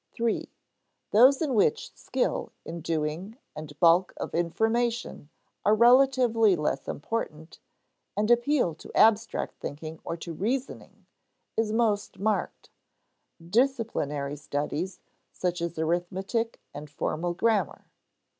(3) Those in which skill in doing and bulk of information are relatively less important, and appeal to abstract thinking, to "reasoning," is most marked "disciplinary" studies, such as arithmetic and formal grammar.